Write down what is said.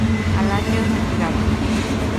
Al año es retirado.